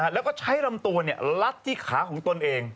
แล้วก็ใช้ลำตัวลัดที่ขาของตนเอง